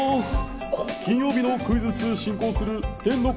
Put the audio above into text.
金曜日のクイズッス、進行する天の声